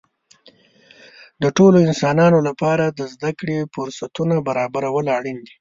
د ټولو انسانانو لپاره د زده کړې فرصتونه برابرول اړین دي.